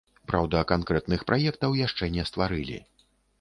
Праўда, канкрэтных праектаў яшчэ не стварылі.